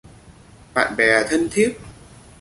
Bạn bè thân thiết